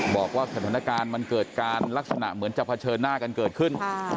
บอกว่าสถานการณ์มันเกิดการลักษณะเหมือนจะเผชิญหน้ากันเกิดขึ้น